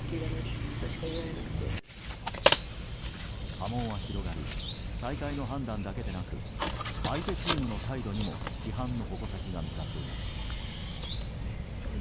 波紋は広がり大会の判断だけでなく相手チームの態度にも批判の矛先が向かっています。